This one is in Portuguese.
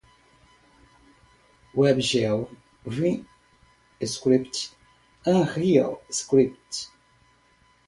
webgl, vim script, unrealscript